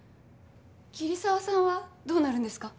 桐沢さんはどうなるんですか？